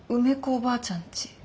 おばあちゃんち。